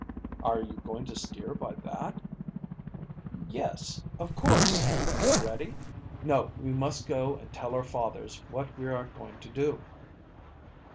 "Are you going to steer by that?" "Yes, of course. Ready?" "No; we must go and tell our fathers what we are going to do."